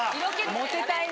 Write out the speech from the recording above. モテたいな。